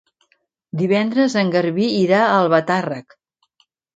Divendres en Garbí irà a Albatàrrec.